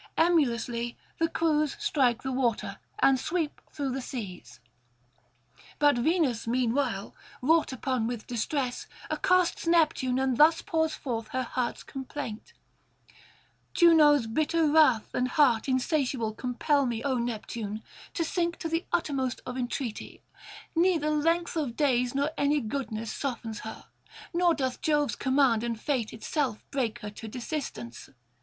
Emulously the crews strike the water, and sweep through the seas. But Venus meanwhile, wrought upon with distress, accosts Neptune, and thus pours forth her heart's complaint: 'Juno's bitter wrath and heart insatiable compel me, O Neptune, to sink to the uttermost of entreaty: neither length of days nor any goodness softens her, nor doth Jove's command and fate itself break her to desistence.